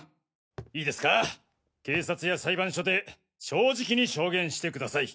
いいですか警察や裁判所で正直に証言してください。